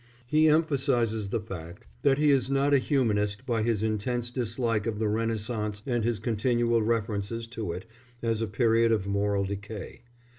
He emphasizes the fact that he is not a humanist by his intense dislike of the Renaissance and his continual references to it as a period of moral decay.